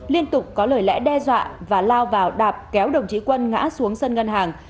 liên tục có lời lẽ đe dọa và lao vào đạp kéo đồng chí quân ngã xuống sân ngân hàng